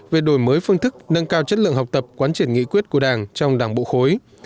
về đổi mới phương thức nâng cao chất lượng học tập quán triển nghị quyết của đảng trong đảng bộ khối